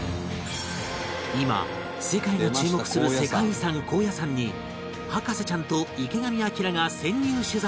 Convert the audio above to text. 今世界が注目する世界遺産高野山に博士ちゃんと池上彰が潜入取材